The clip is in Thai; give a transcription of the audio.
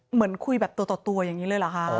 เหมือนคุยแบบตัวต่อตัวอย่างนี้เลยเหรอคะ